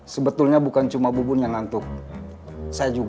sebetulnya bukan cuma bubun yang ngantuk saya juga